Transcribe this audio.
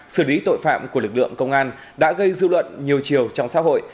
xử lý tội phạm của lực lượng công an đã gây dư luận nhiều chiều trong xã hội